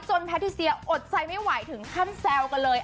แพทิเซียอดใจไม่ไหวถึงขั้นแซวกันเลย